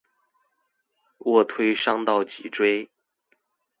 臥推傷到脊椎